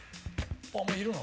あっもういるの？